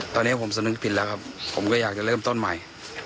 ตอนนี้ผมสำนึกผิดแล้วครับผมก็อยากจะเริ่มต้นใหม่